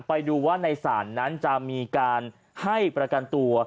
ไปดูว่าในศาลนั้นจะมีการให้ประกันตัว